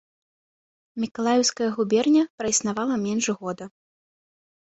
Мікалаеўская губерня праіснавала менш года.